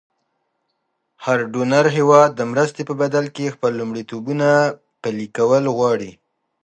هر ډونر هېواد د مرستې په بدل کې خپل لومړیتوبونه پلې کول غواړي.